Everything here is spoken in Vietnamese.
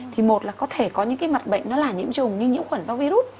thì một là có thể có những cái mặt bệnh nó là nhiễm trùng như nhiễm khuẩn do virus